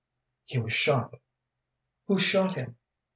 "He was shot." "Who shot him?"